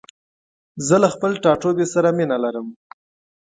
زه له خپل ټاټوبي سره مينه لرم.